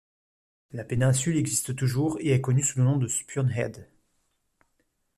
La péninsule existe toujours, et est connue sous le nom de Spurn Head.